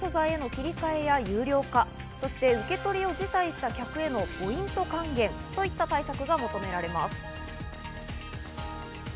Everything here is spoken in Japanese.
代替素材への振り替えや有料化、そして受け取りを辞退した客へのポイント還元といった対策が求められます。